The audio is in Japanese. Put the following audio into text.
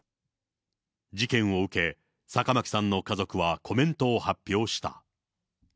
事件を受け、坂巻さんの家族はコメントを発表した。